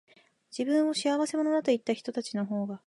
自分を仕合せ者だと言ったひとたちのほうが、